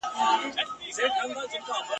داسي اور دی چي نه مري او نه سړیږي ..